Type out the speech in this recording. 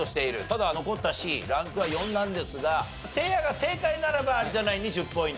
ただ残ったＣランクは４なんですがせいやが正解ならば有田ナインに１０ポイント。